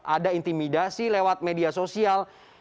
ada intimidasi lewat media sosial